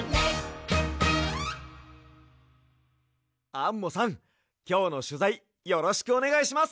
アンモさんきょうのしゅざいよろしくおねがいします。